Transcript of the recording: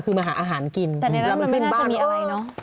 คือมาหาอาหารกินแต่ในนั้นมันไม่น่าจะมีอะไรเนอะ